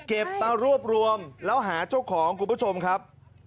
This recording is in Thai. มารวบรวมแล้วหาเจ้าของคุณผู้ชมครับ